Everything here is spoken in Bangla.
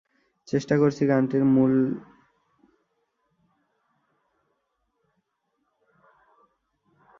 চেষ্টা করছি গানটির মূল সুর ঠিক রেখে এমন একটি সংগীতায়োজন করতে।